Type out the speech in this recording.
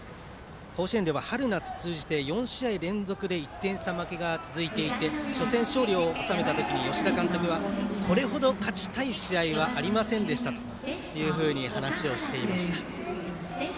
甲子園では春夏通じて４試合連続で１点差負けが続いていて初戦、勝利を収めたときに吉田監督はこれほど勝ちたい試合はありませんでしたというふうに話をしていました。